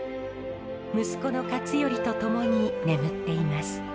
息子の勝頼と共に眠っています。